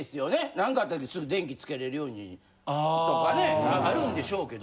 何かあった時すぐ電気つけれるようにとかねあるんでしょうけど。